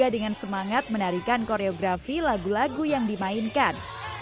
dengan semangat menarikan koreografi lagu lagu yang dimainkan